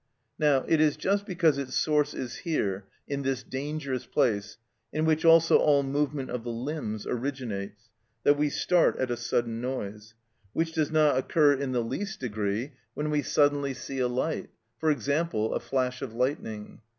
Now it is just because its source is here, in this dangerous place, in which also all movement of the limbs originates, that we start at a sudden noise; which does not occur in the least degree when we suddenly see a light; for example, a flash of lightning.